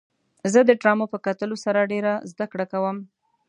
زه د ډرامو په کتلو سره ډېره زدهکړه کوم.